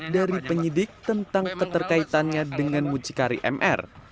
dari penyidik tentang keterkaitannya dengan mucikari mr